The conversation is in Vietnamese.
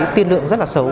tiên lượng rất là xấu